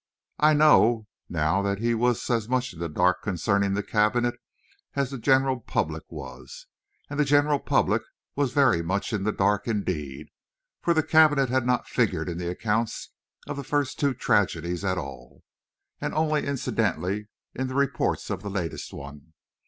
I know now that he was as much in the dark concerning the cabinet as the general public was; and the general public was very much in the dark indeed, for the cabinet had not figured in the accounts of the first two tragedies at all, and only incidentally in the reports of the latest one.